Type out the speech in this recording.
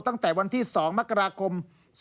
ตั้งแต่วันที่๒มกราคม๒๕๖